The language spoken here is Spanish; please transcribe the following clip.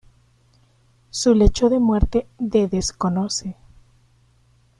Su lecho de muerte de desconoce.